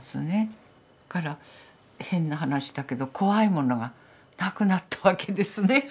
だから変な話だけど怖いものがなくなったわけですね。